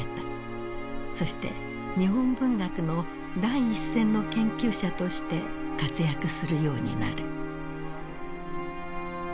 そして日本文学の第一線の研究者として活躍するようになる。